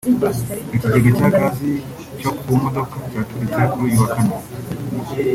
Ikigega cya Gazi cyo ku modoka cyaturitse kuri uyu wa Kane